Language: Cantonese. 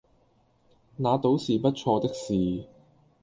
那倒是不錯的事